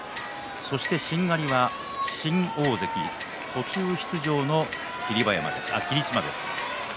しんがりは新大関途中出場の霧島です。